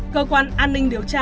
cơ quan an ninh điều tra